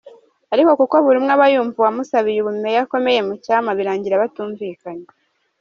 Ariko kuko buri umwe aba yumva uwamusabiye ubu Mayor akomeye mucyama birangira batumvikanye.